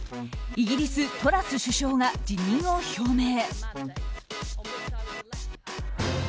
イギリス、トラス首相が辞任を表明。